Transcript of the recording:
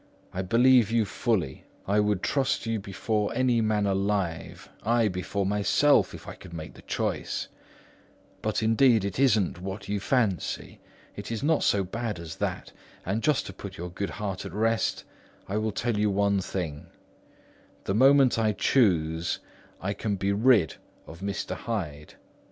I believe you fully; I would trust you before any man alive, ay, before myself, if I could make the choice; but indeed it isn't what you fancy; it is not as bad as that; and just to put your good heart at rest, I will tell you one thing: the moment I choose, I can be rid of Mr. Hyde.